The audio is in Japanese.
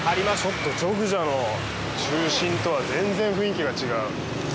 ちょっとジョグジャの中心とは全然雰囲気が違う。